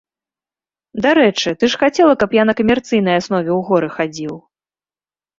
Дарэчы, ты ж хацела, каб я на камерцыйнай аснове ў горы хадзіў.